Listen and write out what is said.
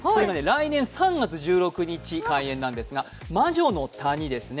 来年３月１６日開園なんですが魔女の谷ですね。